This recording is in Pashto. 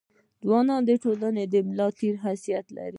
ځوانان د ټولني د ملا د تیر حيثيت لري.